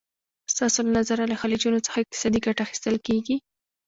ستاسو له نظره له خلیجونو څخه اقتصادي ګټه اخیستل کېږي؟